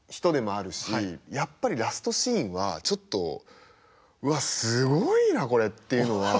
やっぱりラストシーンはちょっとうわっすごいなこれっていうのは。